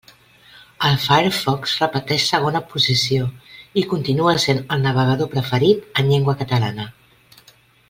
El Firefox repeteix segona posició, i continua sent el navegador preferit en llengua catalana.